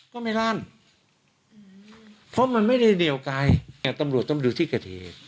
ก็ไม่ลั่นอืมเพราะมันไม่ได้เหนียวกายเนี้ยตำรวจต้องดูที่กระเทศ